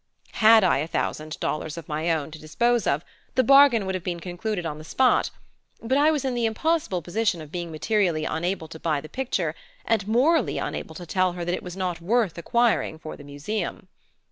Had I had a thousand dollars of my own to dispose of, the bargain would have been concluded on the spot; but I was in the impossible position of being materially unable to buy the picture and morally unable to tell her that it was not worth acquiring for the Museum.